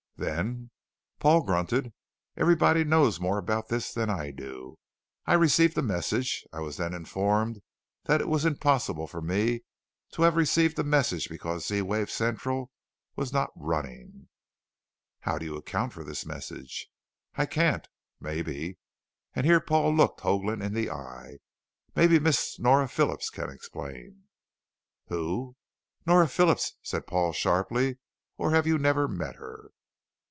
"Then ?" Paul grunted. "Everybody knows more about this than I do. I received a message. I was then informed that it was impossible for me to have received a message because Z wave Central was not running." "How do you account for this message?" "I can't. Maybe," and here Paul looked Hoagland in the eye, "maybe Miss Nora Phillips can explain." "Who?" "Nora Phillips," said Paul sharply. "Or have you never met her?"